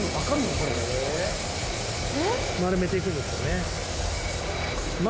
それ丸めていくんですよね